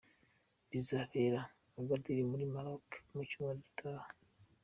rizabera Agadir muri Maroc mu cyumweru gitaha.